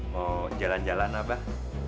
mau jalan jalan abah